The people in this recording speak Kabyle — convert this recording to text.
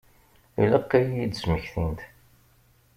Ilaq ad iyi-d-smektint.